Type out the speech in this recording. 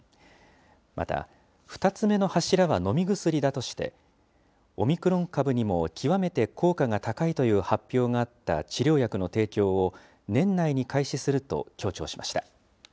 また２つ目の柱は飲み薬だとして、オミクロン株にも極めて効果が高いという発表があった治療薬の提供を年内に開始すると強調しました。